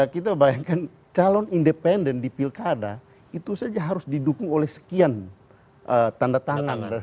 kita bayangkan calon independen di pilkada itu saja harus didukung oleh sekian tanda tangan